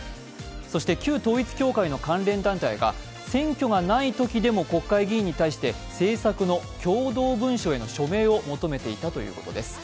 そして、旧統一教会の関連団体が、選挙がないときでも国会議員に対して政策の賛同文書への署名を求めていたそうです。